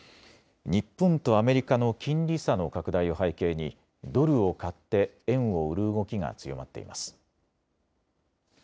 日本とアメリカの金利差の拡大を背景にドルを買って円を売る動きが強まっています。